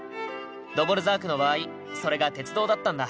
ドヴォルザークの場合それが鉄道だったんだ。